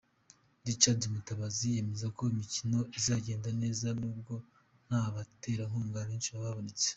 Richard Mutabazi yemeza ko imikino izagenda neza n’ubwo nta baterankunga benshi babonetse.